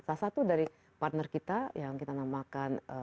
salah satu dari partner kita yang kita namakan